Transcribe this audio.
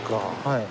はい。